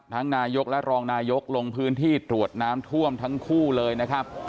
นายกและรองนายกลงพื้นที่ตรวจน้ำท่วมทั้งคู่เลยนะครับ